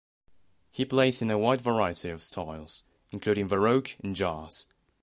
He plays in a wide variety of styles, including baroque and jazz.